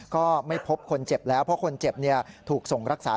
ก็ไม่พบคนเจ็บแล้วเพราะคนเจ็บถูกส่งรักษา